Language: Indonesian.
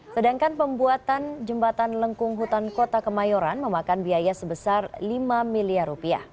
sedangkan pembuatan jembatan lengkung hutan kota kemayoran memakan biaya sebesar lima miliar rupiah